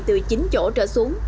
từ chín chỗ trở xuống